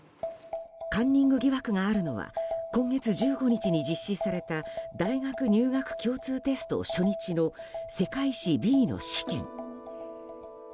カンニング疑惑があるのは今月１５日に実施された大学入学共通テスト初日の世界史Ｂの試験。